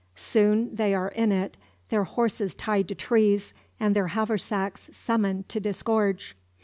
Soon they are in it, their horses tied to trees, and their haversacks summoned to disgorge.